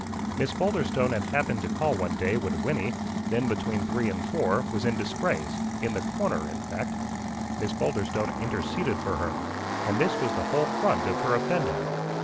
Miss Boulderstone had happened to call one day when Wynnie, then between three and four was in disgrace in the corner, in fact. Miss Boulderstone interceded for her; and this was the whole front of her offending.